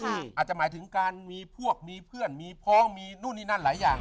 อาจจะหมายถึงการมีพวกมีเพื่อนมีพ้องมีนู่นนี่นั่นหลายอย่าง